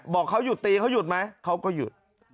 บอกเขาหยุดตีเขาหยุดไหมเขาก็หยุด